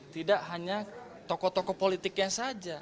tidak hanya tokoh tokoh politiknya saja